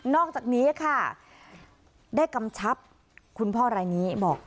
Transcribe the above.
อกจากนี้ค่ะได้กำชับคุณพ่อรายนี้บอก